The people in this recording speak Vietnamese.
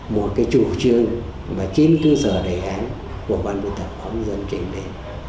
một cái chủ trương và chính cơ sở đề án của ban biên tập báo nhân dân kinh tế